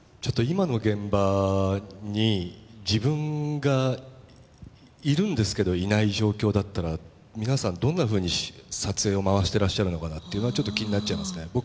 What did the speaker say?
今の現場に自分がいるんですけどいない状況だったら皆さんどんなふうに撮影を回してらっしゃるのかなっていうのはちょっと気になっちゃいますね